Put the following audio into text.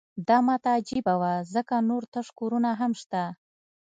دا ماته عجیبه وه ځکه نور تش کورونه هم شته